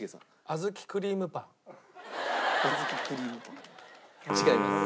あずきクリームパン？違います。